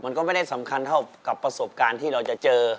มันก็ไม่ได้สำคัญเท่ากับประสบการณ์ที่เราจะเจอ